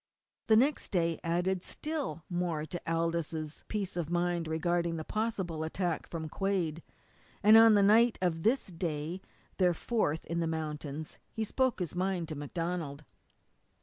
The next day added still more to Aldous' peace of mind regarding possible attack from Quade, and on the night of this day, their fourth in the mountains, he spoke his mind to MacDonald.